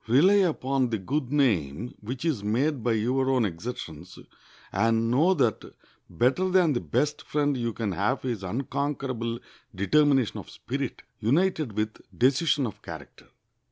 Rely upon the good name which is made by your own exertions, and know that better than the best friend you can have is unconquerable determination of spirit, united with decision of character.